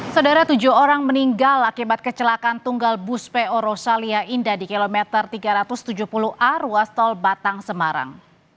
saudara tujuh orang meninggal akibat kecelakaan tunggal bus po rosalia indah di kilometer tiga ratus tujuh puluh a ruas tol batang semarang